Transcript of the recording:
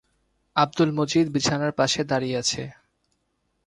আব্দুল মজিদ বিছানার পাশে দাঁড়িয়ে আছে।